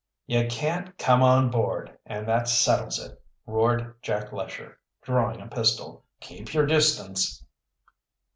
"You can't come on board, and that settles it," roared Jack Lesher, drawing a pistol. "Keep your distance."